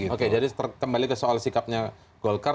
oke jadi kembali ke soal sikapnya golkar